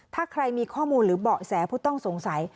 ถ้าใครมีข้อมูลหรือเบาะแสผู้ต้องสงสัย